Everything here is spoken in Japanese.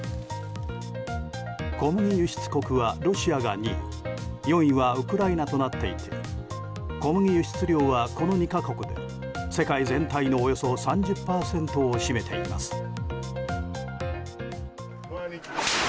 小麦輸出国はロシアが２位４位はウクライナとなっていて小麦輸出量はこの２か国で世界全体のおよそ３０％を占めています。